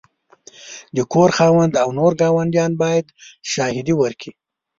د کور خاوند او نور ګاونډیان باید شاهدي ورکړي.